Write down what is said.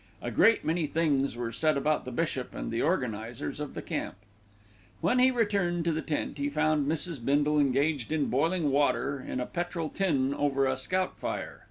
A great many things were said about the bishop and the organisers of the camp. When he returned to the tent, he found Mrs. Bindle engaged in boiling water in a petrol tin over a scout fire.